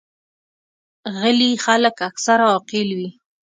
غلي خلک اکثره عاقل وي.